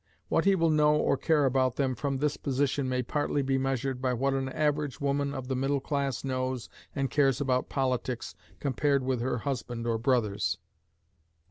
What he will know or care about them from this position may partly be measured by what an average woman of the middle class knows and cares about politics compared with her husband or brothers.